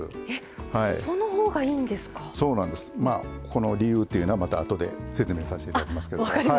この理由というのはまたあとで説明させて頂きますけど。